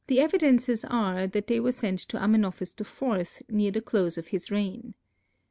The evidences are that they were sent to Amenophis IV near the close of his reign.